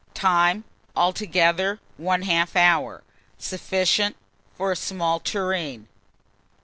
Time. Altogether 1/2 hour. Sufficient for a small tureen.